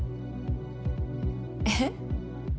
えっ？